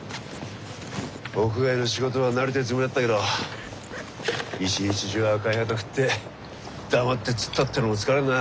屋外の仕事は慣れてるつもりだったけど一日中赤い旗振って黙って突っ立ってるのも疲れるな。